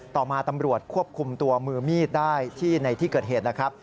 ต่อมาตำรวจควบคุมตัวมือมีดได้ที่ในที่เกิดเหตุแล้วครับ